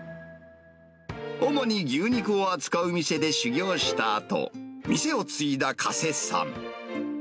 主に牛肉を扱う店で修業したあと、店を継いだ加瀬さん。